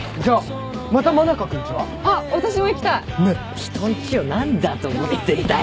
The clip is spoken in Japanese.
人んちを何だと思ってんだよ。